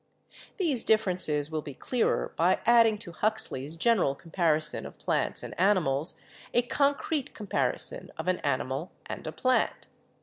These differences will be clearer by adding to Huxley's general comparison of plants and animals a concrete comparison of an animal and a plant.